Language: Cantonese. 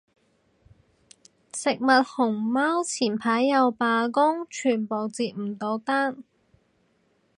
食物熊貓前排又罷工，全部接唔到單